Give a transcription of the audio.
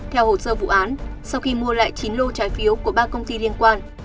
theo hồ sơ vụ án sau khi mua lại chín lô trái phiếu của ba công ty liên quan